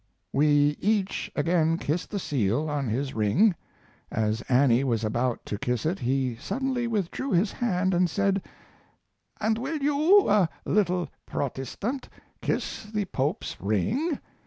We each again kissed the seal on his ring. As Annie was about to kiss it he suddenly withdrew his hand and said, "And will you, a little Protestant, kiss the Pope's ring?"